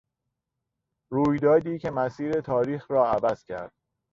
رویدادی که مسیر تاریخ را عوض کرد